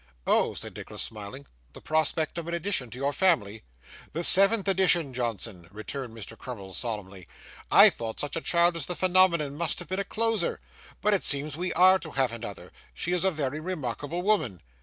'Oh!' said Nicholas, smiling. 'The prospect of an addition to your family?' 'The seventh addition, Johnson,' returned Mr. Crummles, solemnly. 'I thought such a child as the Phenomenon must have been a closer; but it seems we are to have another. She is a very remarkable woman.